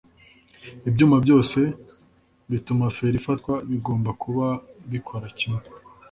ibyuma byose bituma feri ifata bigomba kuba bikora kimwe